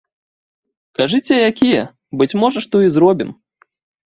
Кажыце якія, быць можа, што і зробім.